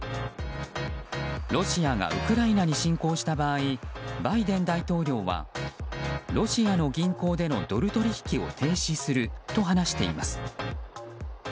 ロシアがウクライナに侵攻した場合バイデン大統領はロシアの銀行でのドル取引を停止すると話しています。